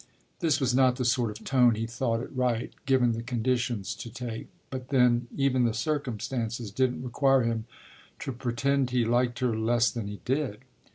This was not the sort of tone he thought it right, given the conditions, to take; but then even the circumstances didn't require him to pretend he liked her less than he did.